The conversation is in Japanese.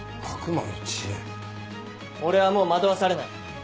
俺はもう惑わされない！